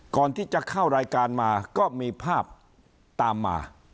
ก่อนที่จะเข้ารายการมาก็มีภาพตามมา